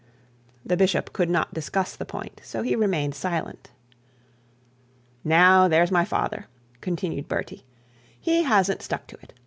The bishop could not discuss the point, so he remained silent. 'Now, there's my father,' continued Bertie; 'he hasn't stuck to it.